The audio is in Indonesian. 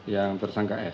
yang tersangka s